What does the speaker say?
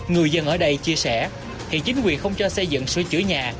người dân ở đây chia sẻ hiện chính quyền không cho xây dựng sửa chữa nhà